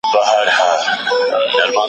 کله چي مې مقاله لیکله تاریخي اسناد مې کتل.